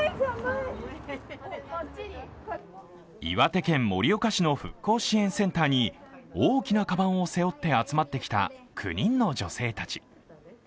岩手県盛岡市の復興支援センターに大きなかばんを背負って集まってきた９人の女性たち。